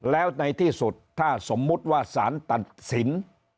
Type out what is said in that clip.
แล้วในที่สุดถ้าสมมุติว่าสารตัดสิน